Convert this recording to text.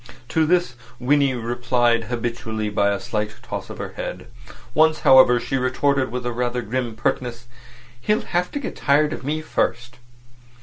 To this Winnie replied habitually by a slight toss of her head. Once, however, she retorted, with a rather grim pertness: "He'll have to get tired of me first."